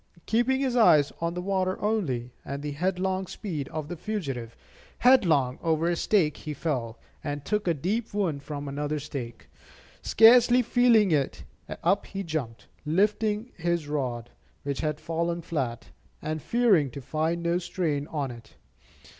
Keeping his eyes on the water only, and the headlong speed of the fugitive, headlong over a stake he fell, and took a deep wound from another stake. Scarcely feeling it, up he jumped, lifting his rod, which had fallen flat, and fearing to find no strain on it.